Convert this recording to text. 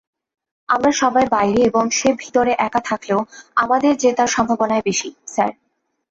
আমরা সবাই বাইরে এবং সে ভিতরে একা থাকলেও আমাদের জেতার সম্ভাবনাই বেশী, স্যার।